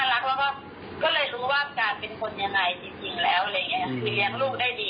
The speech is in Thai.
แล้วก็เลยรู้ว่าการเป็นคนยังไงจริงแล้วหรือเลี้ยงลูกได้ดีขนาดไหนอะไรแบบนี้